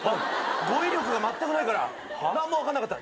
語彙力がまったくないから何も分かんなかった。